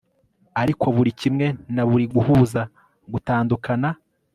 ariko buri kimwe na buri guhuza gutandukana'd